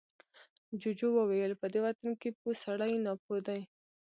جوجو وويل، په دې وطن کې پوه سړی ناپوه دی.